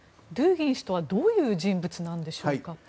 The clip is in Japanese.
ドゥーギン氏とはどういう人物なのでしょうか。